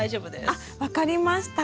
あっ分かりました。